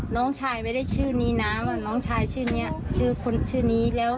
น้องชายไม่ได้ชื่อนี้นะว่าน้องชายชื่อนี้ชื่อคนชื่อนี้แล้ว